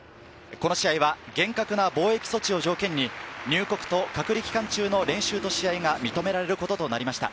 この試合は厳格な防疫措置を条件に入国と隔離期間中の練習と試合が認められることになりました。